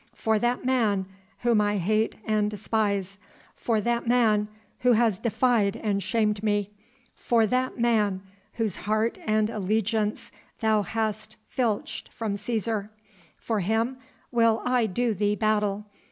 For that man whom I hate and despise, for that man who has defied and shamed me, for that man whose heart and allegiance thou hast filched from Cæsar, for him will I do thee battle